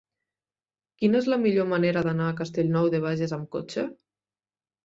Quina és la millor manera d'anar a Castellnou de Bages amb cotxe?